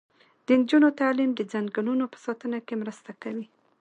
د نجونو تعلیم د ځنګلونو په ساتنه کې مرسته کوي.